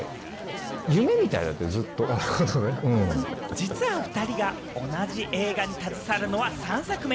実は２人が同じ映画に携わるのは３作目。